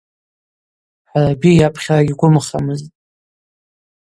Гӏараби йапхьара гьгвымхамызтӏ.